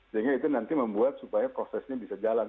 sehingga itu nanti membuat supaya prosesnya bisa jalan